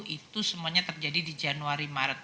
itu semuanya terjadi di januari maret